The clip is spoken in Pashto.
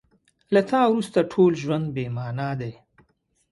له تا وروسته ټول ژوند بې مانا دی.